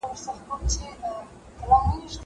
کتابونه د زده کوونکي له خوا وړل کيږي.